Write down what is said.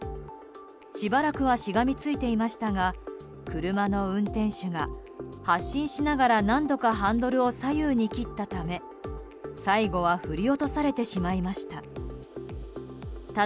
しばらくはしがみついていましたが車の運転手が発進しながら何度かハンドルを左右に切ったため最後は振り落とされてしまいました。